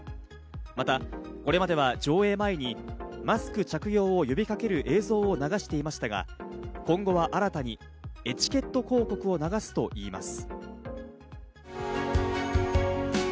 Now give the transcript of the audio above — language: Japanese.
また、これまでは上映前にマスク着用を呼びかける映像を流していましたが、今後は新たにエチケット広告を流すといいます。